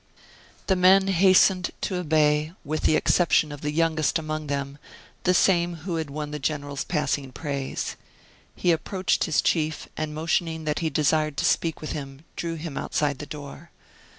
The men hastened to obey, with the exception of the youngest among them, the same who had won the General's passing praise. He approached his chief, and motioning that he desired to speak with him, drew him outside the door.